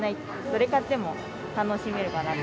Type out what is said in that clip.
どれ買っても楽しめるかな。